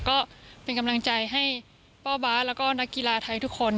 ก็เป็นกำลังใจให้ป้าบาทแล้วก็นักกีฬาไทยทุกคน